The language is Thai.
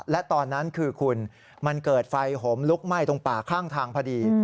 และตอนนั้นคือคุณมันเกิดไฟห่มลุกไหม้ตรงป่าข้างทางพอดี